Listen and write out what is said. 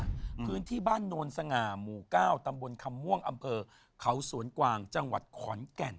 พื้นที่บ้านโนนสง่าหมู่เก้าตำบลคำม่วงอำเภอเขาสวนกวางจังหวัดขอนแก่น